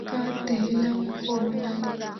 زکات د علم ښوونه ده.